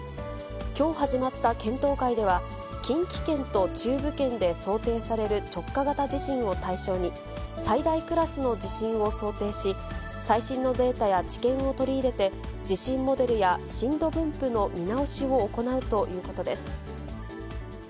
きょう始まった検討会では、近畿圏と中部圏で想定される直下型地震を対象に、最大クラスの地震を想定し、最新のデータや知見を取り入れて、地震モデルや震度分布の見直しを行うということです。